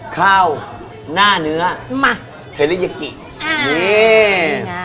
ข้าวหน้าเนื้อเทรยากินี่ง่าย